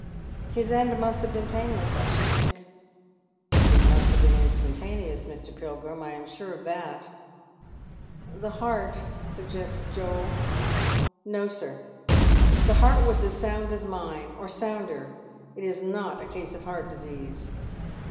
His end must have been painless, I should think." " It must have been instant<aneous, Mr. Pilgrim. I am sure of that." " The heart," suggests Joel. " No, sir. The heart was as sound as mine — or sounder. It is Dot a case of heart disease."